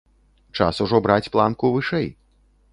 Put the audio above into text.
Час ужо браць планку вышэй.